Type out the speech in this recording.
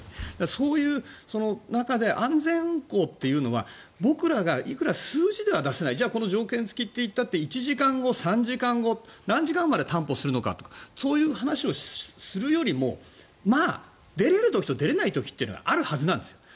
そういう中で安全運航というのは僕らがいくら数字では出せないじゃあこの条件付きって言ったって１時間後、３時間後何時間まで担保するのかとかそういう話をするよりも出れる時と出れない時というのがあるはずなんですよ。